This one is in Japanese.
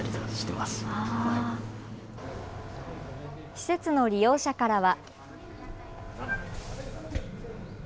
施設の利用者からは。